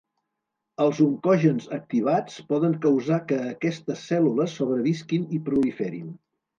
Els oncogens activats poden causar que aquestes cèl·lules sobrevisquin i proliferin.